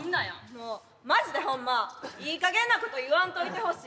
もうマジでホンマいいかげんなこと言わんといてほしい。